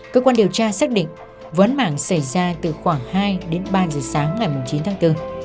cơ quan điều tra xác định vấn mảng xảy ra từ khoảng hai đến ba giờ sáng ngày chín tháng bốn